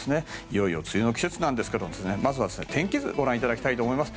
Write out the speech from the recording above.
いよいよ梅雨の季節ですがまずは天気図ご覧ください。